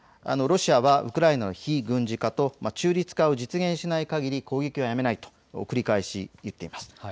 ロシアはウクライナの非軍事化と中立化を実現しないかぎり攻撃はやめないと繰り返し言っています。